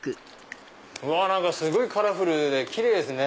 すごいカラフルでキレイですね。